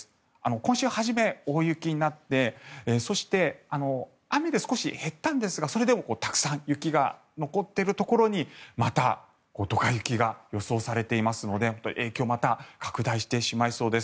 今週初め、大雪になってそして雨で少し減ったんですがそれでもたくさん雪が残っているところにまたドカ雪が予想されていますので影響がまた拡大してしまいそうです。